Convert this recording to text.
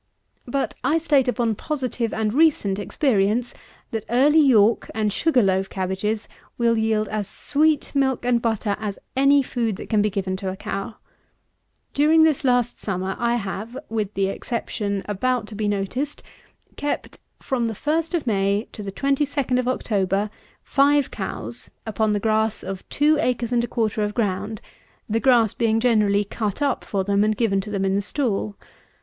But I state upon positive and recent experience, that Early York and Sugar loaf Cabbages will yield as sweet milk and butter as any food that can be given to a cow. During this last summer, I have, with the exception about to be noticed, kept, from the 1st of May to the 22d of October, five cows upon the grass of two acres and a quarter of ground, the grass being generally cut up for them and given to them in the stall.